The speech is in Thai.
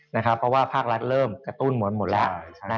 เพราะว่าภาครัฐเริ่มกระตุ้นหมดแล้ว